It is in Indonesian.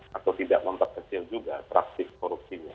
atau tidak memperkecil juga praktik korupsinya